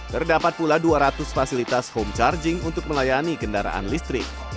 terdapat pula dua ratus fasilitas home charging untuk melayani kendaraan listrik